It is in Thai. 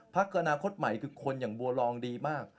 พักอนาคตใหม่คือคนอย่างบัวรองดีมาก